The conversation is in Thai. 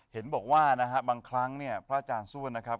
เห็นบอกว่าบางครั้งพระอาจารย์ส้วนนะครับ